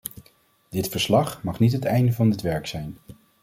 Dit verslag mag niet het einde van dit werk zijn.